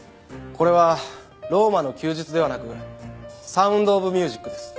これは『ローマの休日』ではなく『サウンド・オブ・ミュージック』です。